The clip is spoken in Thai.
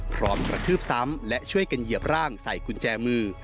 กระทืบซ้ำและช่วยกันเหยียบร่างใส่กุญแจมือ